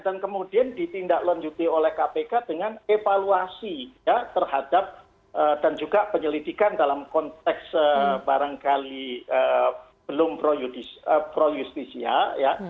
dan kemudian ditindaklanjuti oleh kpk dengan evaluasi ya terhadap dan juga penyelidikan dalam konteks barangkali belum pro justis ya